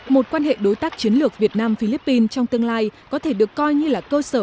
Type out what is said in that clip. một quan hệ đối tác chiến lược việt nam philippines trong tương lai có thể được coi như là cơ sở